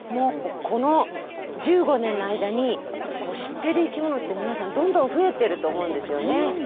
この１５年の間に知ってる生きものって皆さんどんどん増えてると思うんですよね。